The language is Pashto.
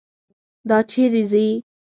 دا چیرې ځي.